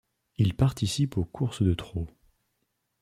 Il participe aux courses de trot.